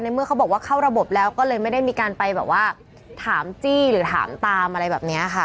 เมื่อเขาบอกว่าเข้าระบบแล้วก็เลยไม่ได้มีการไปแบบว่าถามจี้หรือถามตามอะไรแบบนี้ค่ะ